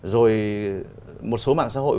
rồi một số mạng xã hội